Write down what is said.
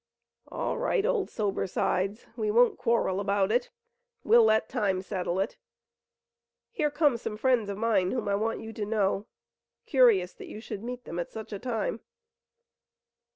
"All right, old Sober Sides, we won't quarrel about it. We'll let time settle it. Here come some friends of mine whom I want you to know. Curious that you should meet them at such a time."